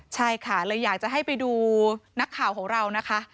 ใช่ค่ะเลยอยากจะให้ไปดูนักข่าวของเรานะคะ